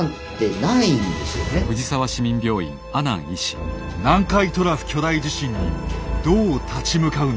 南海トラフ巨大地震にどう立ち向かうのか。